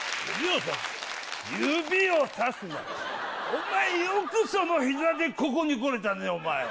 お前よくその膝でここに来れたね。